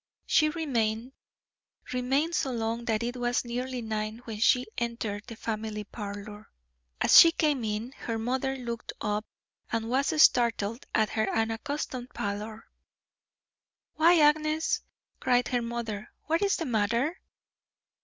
She remained; remained so long that it was nearly nine when she entered the family parlour. As she came in her mother looked up and was startled at her unaccustomed pallor. "Why, Agnes," cried her mother, "what is the matter?"